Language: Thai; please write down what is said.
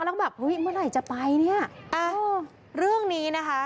แล้วก็แบบเฮ้ยเมื่อไหร่จะไปเนี่ยอ้าวเรื่องนี้นะคะ